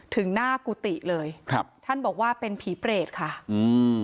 ถึงหน้ากุฏิเลยครับท่านบอกว่าเป็นผีเปรตค่ะอืม